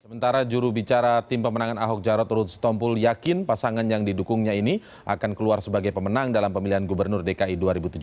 sementara jurubicara tim pemenangan ahok jarot rut setompul yakin pasangan yang didukungnya ini akan keluar sebagai pemenang dalam pemilihan gubernur dki dua ribu tujuh belas